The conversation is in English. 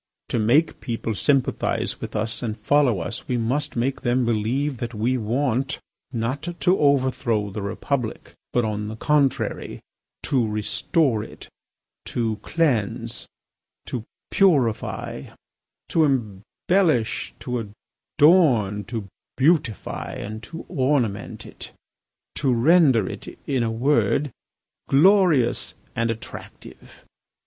"To make people sympathise with us and follow us we must make them believe that we want, not to overthrow the Republic, but, on the contrary, to restore it, to cleanse, to purify, to embellish, to adorn, to beautify, and to ornament it, to render it, in a word, glorious and attractive.